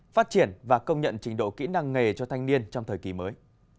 phát triển và công nhận trình độ kỹ năng nghề cho thanh niên trong thời kỳ mới